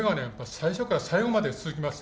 最初から最後まで続きました。